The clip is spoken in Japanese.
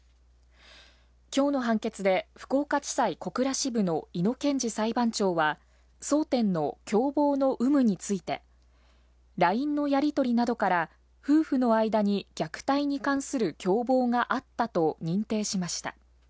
きょうの判決で、福岡地裁小倉支部の井野憲司裁判長は、争点の共謀の有無について、ＬＩＮＥのやり取りなどから、夫婦の間に虐待に関する共謀があったと認定しました。